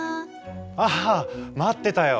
あっ待ってたよ。